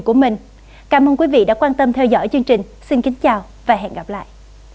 cảm ơn các bạn đã theo dõi và hẹn gặp lại